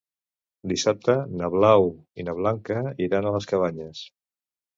Dissabte na Blau i na Blanca iran a les Cabanyes.